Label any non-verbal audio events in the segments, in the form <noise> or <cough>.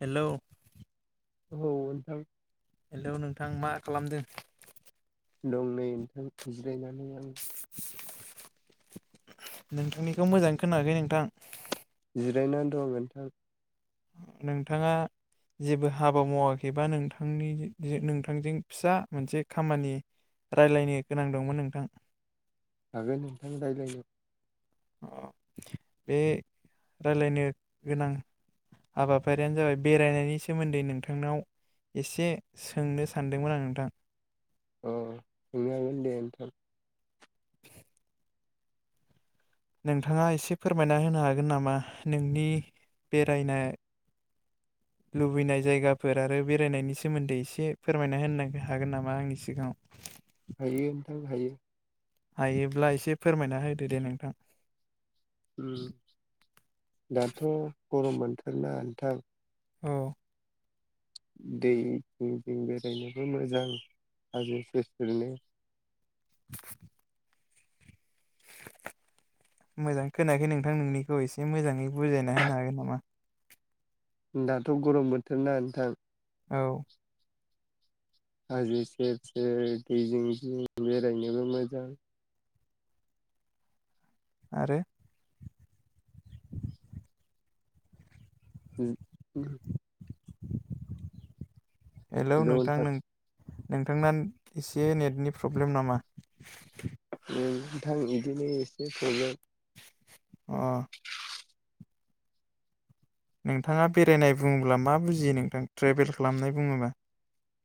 हेल' औ दां हेल' नोंथां मा खालामदों दं नै नोथां जिरायनानै आं नोंथांनिखौ मोजाङै खोनायाखै नोंथां जिरायनानै दं नोंथां नोंथाङा जेबो हाबा मावाखैबा नोंथांनि नोंथांजों फिसा मोनसे खामानि रायलायनो गोनां दंमोन नोंथां हागोन नोंथां रायज्लायनो बे रायलायनो गोनां हाबाफारियानो जाबाय बेरायनायनि सोमोन्दै नोंथांनाव एसे सोंनो सानदोंमोन आं नोंथां अ सोंनो हागोन दे नोंथां नोंथाङा एसे फोरमायना होनो हागोन नामा नोंनि बेरायनाय <inaudible> लुबैनाय जायगाफोर आरो बेरायनायनि सोमोन्दै एसे फोरमायना होननो हागोन नामा आंनि सिगाङाव हायो नोंथां हायो। हायोब्ला एसे फोरमायना होदो दे नोंथां ओम दाथ' गरम बोथोरना ओन्थां औ दै जिं जिं बेरायनोबो मोजां हाजो सेर सेरनो <inaudible> मोजां खोनायाखै नोंथां नोंनिखौ एसे मोजाङै बुजायना होनो हागोन नामा दाथ' गरम बोथोरना नोंथां औ हाजो सेर सेर दै जिं जिं बेरायनोबो मोजां आरो उम हेलौ नोंथां नों नोंथांना एसे नेटनि प्रब्लेम नामा उम नोंथां बिदिनो एसे प्रब्लेम अ नोंथाङा बेरायनाय बुङोब्ला मा बुजियो नोंथां ट्रेभेल खालामनाय बुङोबा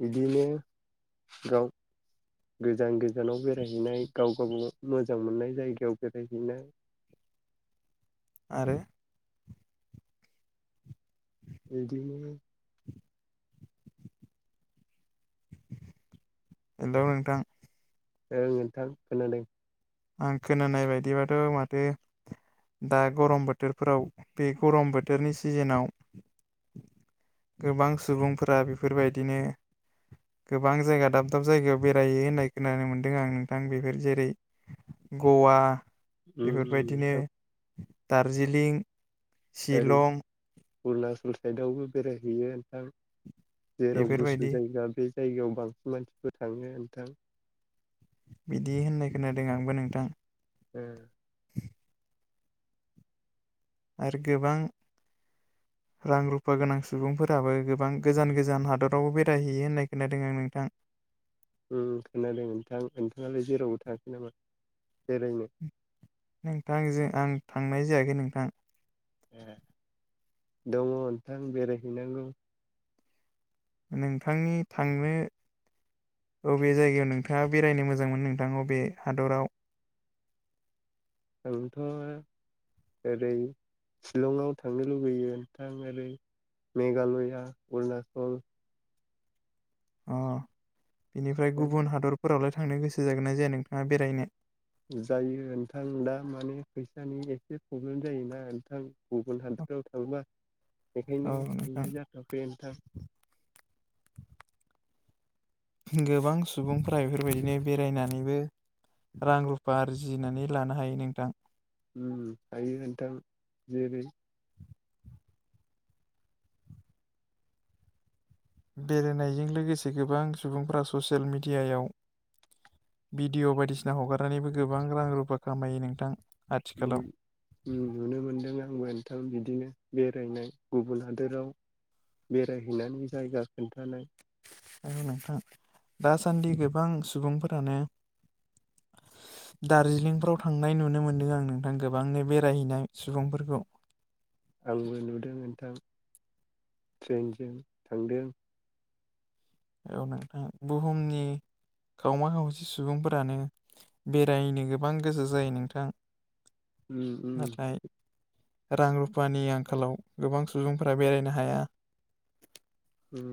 बिदिनो गाव गोजान गोजानाव बेरायहैनाय गाव गावाव मोजां मोननाय जायगायाव बेरायहैनाय आरो बिदिनो हेलौ नोंथां औ नोंथां खोनादों। आं खोनानाय बायदिबाथ' माथो दा गरम बोथोरफोराव बे गरम बोथोरनि सिजेनाव गोबां सुबुंफोरा बेफोरबायदिनो गोबां जायगा दाब दाब जायगायाव बेरहोयो होननाय खोनानो मोनदों आं नोंथां बेफोर जेरै ग'वा उम उम नोंथां। दार्जिलि ओरै शिलं अरुणाचल साइदआवबो बेरायहैयो नोंथां जेराव बेफोरबायदि गुसु जायगा बे जायगायाव बांसिन मानसिफोर थाङो नोंथां। बिदि होननाय खोनादों आंबो नोंथां‌। ओ <inaudible> आरो गोबां रां रुफा गोनां सुबुंफोराबो गोबां गोजान गोजान हादरावबो बेरायहैयो होननाय खोनादों आं नोंथां। <inaudible> उम खोनादों नोंथां नोंथाङालाय जेरावबो थाङाखै नामा? बेरायनो नोंथांजों आं थांनाय जायाखै नोंथां। ए दङ नोंथां बेरायहैनांगौ। नोंथांनि थांनो बबे जायगायाव नोंथाङा बेरायनो मोजांमोन नोंथां अबे हादराव? आंथ' ओरै शिलंआव थांनो लुबैयो नोंथां ओरै मेघालया अरुणाचल अ बेनिफ्राय गुबुन हादरफोरावलाय थांनो गोसो जागोन ना जाया नोंथाङा बेरायनो? जायो नोंथां दा माने फैसानि एसे प्रब्लेम जायोना नोंथां गुबुन हादरफ्राव थांबा औ बेखायनो नोंथां थांनाय जाथ'वाखै नोंथां गोबां सुबुंफोरा बेफोरबायदिनो बेरायनानैबो रां रुफा आरजिनानै लानो हायो नोंथां उम हायो नोंथां जेरै बेरायनायजों लोगोसे गोबां सुबुंफ्रा ससियेल मिडियायाव भिडिअ' बायदिसिना हगारनानैबो गोबां रां रुफा खामायो नोंथां। उम आथिखालाव नुनो मोनदों आंबो। नोंथां बिदिनो बेरायनाय गुबुन हादोराव बेरायहैनानै जायगा खोन्थानाय आरो नोंथां दासान्दि गोबां सुबुंफोरानो दार्जिलिंफ्राव थांनाय नुनो मोन्दों आं नोंथां गोबांनो बेरायहैनाय सुबुंफोरखौ आंबो नुदों नोंथां ट्रेनजों थांदों औ नोंथां बुहुमनि गावमा खावसे सुबुंफोरानो बेरायनो गोबां गोसो जायो नोंथां‌। उम उम रां रुफानि आंखालाव गोबां सुबुंफोरा बेरायनो हाया। उम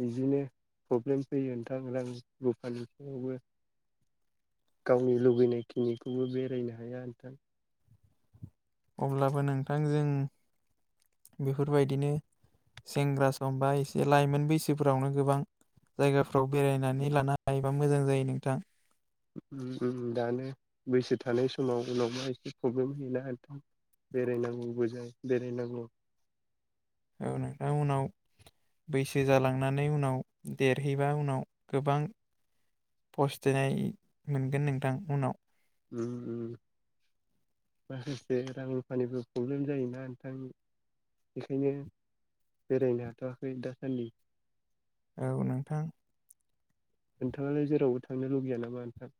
बिदिनो प्रब्लेम फैयो नोंथां रां रुफानि बिङावबो। गावनि लुबैनायखिनिखौबो बेरायनो हाया नोंथां। अब्लाबो नोंथांजों बेफोरबायदिनो सेंग्रा समबा एसे लाइमोन बैसोफोरावनो गोबां जायगाफ्राव बेरायनानै लानो हायोबा मोजां जायो नोंथां। उम उम दानो बैसो थानाय समाव उनावबा एसे प्रब्लेम होयोना नोंथां। बेरायनांगौ बो जायो बेरायनांगौ औ नोंथां उनाव बैसो जालांनानै उनाव देरहैबा उनाव गोबां फस्थायनाय मोनगोन नोंथां उनाव उम उम माखासे रां रुफानिबो प्रब्लेम जायोना नोंथां बेखायनो बेरायनो हाथ'वाखै दासान्दि। औ नोंथां नोंथाङालाय जेरावबो थांनो लुगैया नामा नोंथां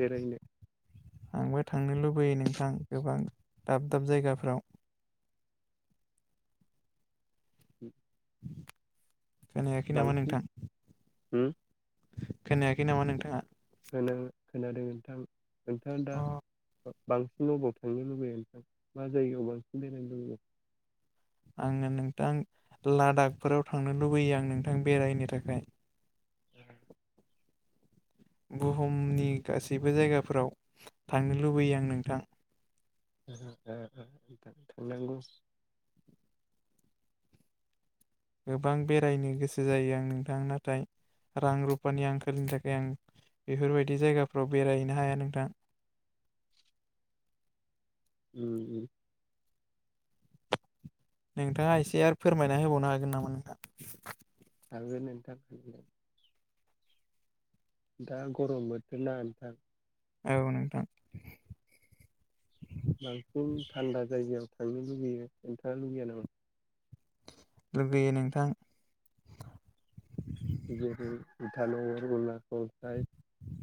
बेरायनो आंबो थांनो लुबैयो नोंथां गोबां दाब दाब जायगाफ्राव <inaudible> खोनायाखै नामा नोंथां? होम। खोनायाखै नामा नोंथाङा खोनादों खोनादों नोंथां नोंथाङा दा अ बांसिन अबाव थांनो लुबै नोंथां मा जायगायाव बांसिन बेरायनो लुबैयो आङो नोंथां लादाखफोराव थांनो लुबैयो आं नोंथां बेरायनो थाखाय <inaudible> बुहुमनि गासैबो जायगाफोराव थांनो लुबैयो आं नोंथां <inaudible> थांनांगौ गोबां बेरायनो गोसो जायो आं नोंथां नाथाय रां रुपानि आंखालनि थाखाय आं बेफोरबायदि जायगाफ्राव बेरायहैनो हाया नोंथां <inaudible> उम उम नोंथाङा एसे आरो फोरमायना होबावनो हागोन नामा नोंथां? <unintelligible> दा गरम बोथोरना नोंथां। औ नोंथां। बांसिन थान्दा जायगायाव थांनो लुुबैयो नोंथाङा लुुबैया नामा? लुगैयो नोंथां <unintelligible>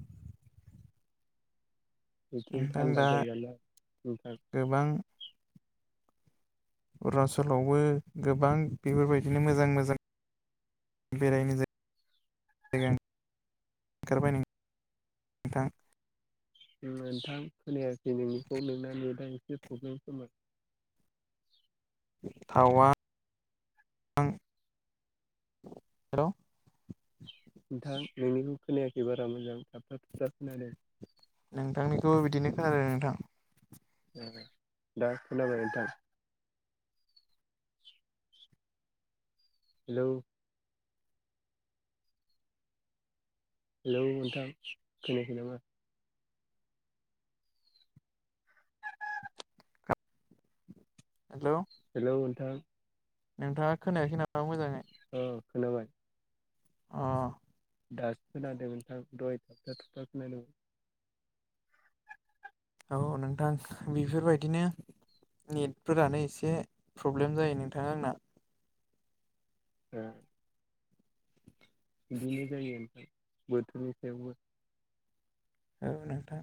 बिथिं नोंथां थान्दा दा जायोना नोंथां गोबां अरुणचलावबो गोबां बेफोरबायदिनो मोजां मोजां बेरायनो जाय गा ओंखारबाय नों थां नोंथां खोनायाखै नोंनिखौ नोंना नेटा एसे प्रब्लेम खोमा थावां हेलौ नोंथां नोंनिखौ खोनायाखै बारा मोजां थाबथा थुबथा खोनादों नोंथांनिखौबो बिदिनो खोनादों नोंथां ए दा खोनाबाय नोंथां हेलौ हेलौ नोंथां खोनायाखै नामा? हेलौ हेलौ नोंथां नोंथाङा खोनायाखै नामा मोजाङै? औ खोनाबाय। अ दास खोनादों नोंथां दहाय थाबथा थुबथा खोनादोंमोन। औ नोंथां बेफोरबायदिनो नेटफोरानो एसे प्रब्लेम जायो नोंथां आंना ओ बिदिनो जायो ओमफ्राय बोथोरनि सायावबो औ नोंथां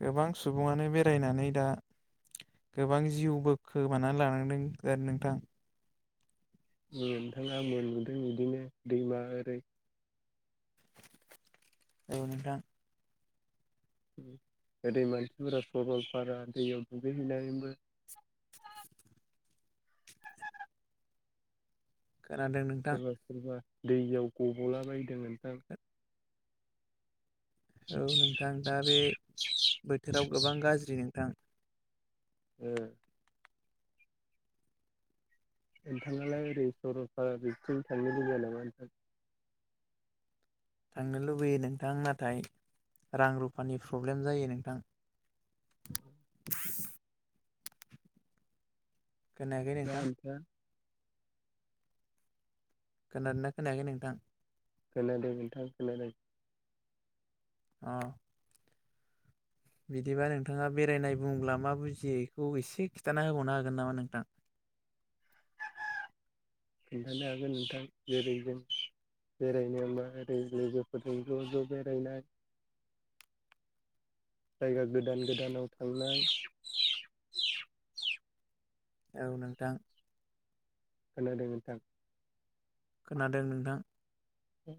गोबां सुबुङानो बेरायनानै दा गोबां जिउ बोखोमानानै लानांदों आरो नोंथां। नोंथाङा मोनबोदों बिदिनो दैमा ओरै औ नोंथां गोदै मानसिफोरा सरलफारा दैयाव दुगैहैनानैबो <inaudible> खोनादों नोंथां सोरबा सोरबा दैयाव गब'लाबायदों नोंथां औ नोंथां दा बे बोथोराव गोबां गाज्रि नोंथां। ओ नोंथाङालाय ओरै सरलपार बिथिं थांनो लुबैया नामा नोंथां थांनो लुबैयो नोंथां नाथाय रां रुफानि प्रब्लेम जायो नोंथां <inaudible> खोनायाखै ना नोंथां नोंथाङा खोनादोंना खोनायाखै नोंथां खोनादों मोनथां खोनादों आ बिदिबा नोंथाङा बेरायनाय बुंब्ला मा बुजियो बेखौ एसे खिन्थाना होबावनो हागोन नामा नोंथां <inaudible> खिन्थानो हागोन नोंथां जेरै जों बेरायनाय मा ओरै लोगोफोरजों ज' ज' बेरायनाय जायगा गोदान गोदानाव थांनाय औ नोंथां खोनादों नोंथां खोनादों नोंथां द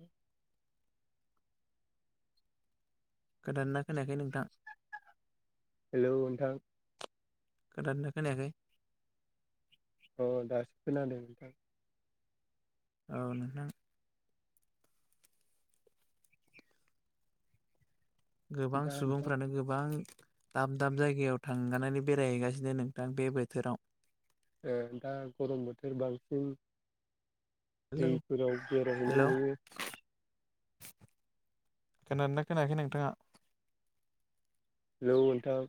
गोदाना खोनायाखै नोंथां हेलौ नोंथां। खोनादोंना खोनायाखै अ दासो खोनादो औ नोंथां गोबां दा नोंथां सुबुंफ्रानो गोबां दाब दाब जायगायाव थांगनानै बेरायहैगासिनो नोंथां बे बोथोराव। दा गरम बोथोर बांसिन हेलौ दैफोराव बेरायहैनाय हेलौ नुयो खोनादोंना खोनायाखै नोंथाङा हेल' नोंथां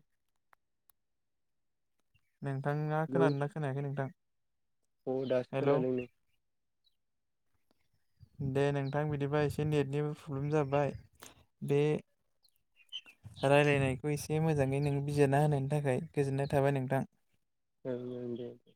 नोंथाङा हेलौ खोनादोंना खोनायाखै नोंथां अ दासो हेलौ खोनादोंनो दे नोंथां बिदिबा एसे नेटनिबो प्रब्लेम जाबाय बे राय्लायनायखौ एसे मोजाङै नों बिजिरना होनायनि थाखाय गोजोननाय थाबाय नोंथां औ औ दे दे